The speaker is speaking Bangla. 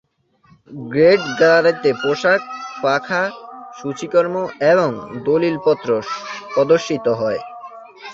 গ্রেট গ্যালারিতে পোশাক, পাখা, সূচিকর্ম এবং দলিলপত্র প্রদর্শিত হয়।